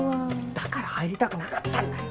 だから入りたくなかったんだよ。